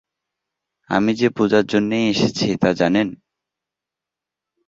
আমি যে পূজার জন্যেই এসেছি তা জানেন?